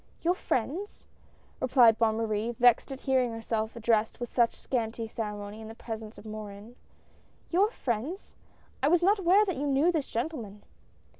"Your friends?" replied Bonne Marie, vexed at hearing herself addressed with such scanty ceremony in the presence of Morin. "Your friends? I was not aware that you knew this gentleman."